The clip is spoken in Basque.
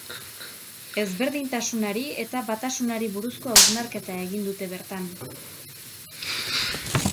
Ezberdintasunari eta batasunari buruzko hausnarketa egin dute bertan.